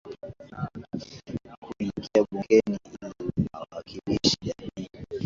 kuingia bungeni ili awakilishe jamii